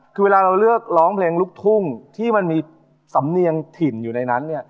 คือเวลาเราเลือกร้องเพลงลูกทุ่งที่มันมีสำเนียงถิ่นอยู่ในนั้นเนี่ย